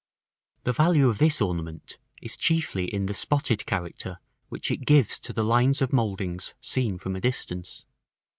The value of this ornament is chiefly in the spotted character which it gives to the lines of mouldings seen from a distance.